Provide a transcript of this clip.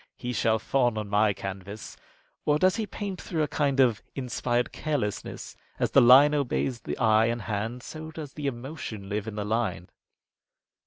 He shall fawn on my canvas." Or does he paint through a kind of inspired carelessness, and as the line obeys the eye and hand, so does the emotion live in the line?'"